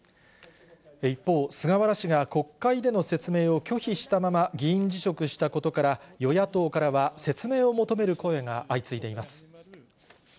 一方、菅原氏が国会での説明を拒否したまま、議員辞職したことから、与野党からは説明を求める声が相次いでいます。